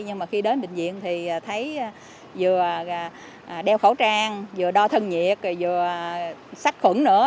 nhưng mà khi đến bệnh viện thì thấy vừa đeo khẩu trang vừa đo thân nhiệt vừa sắc khuẩn nữa